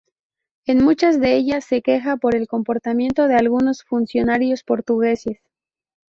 En muchas de ellas se queja por el comportamiento de algunos funcionarios portugueses.